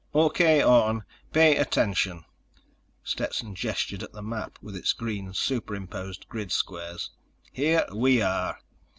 "O.K., Orne, pay attention." Stetson gestured at the map with its green superimposed grid squares. "Here we are.